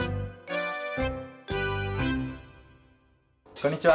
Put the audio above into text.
こんにちは。